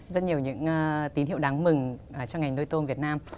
rất nhiều những tín hiệu đáng mừng cho ngành nuôi tôm việt nam